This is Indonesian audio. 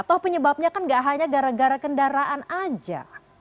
toh penyebabnya kan gak hanya gara gara kendaraan aja